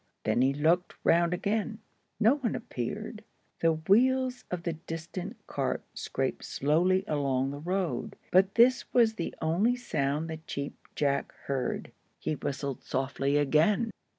Then he looked round again. No one appeared. The wheels of the distant cart scraped slowly along the road, but this was the only sound the Cheap Jack heard. He whistled softly again.